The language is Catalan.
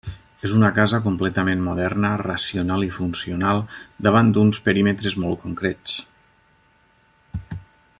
És una casa completament moderna, racional i funcional davant d'uns perímetres molt concrets.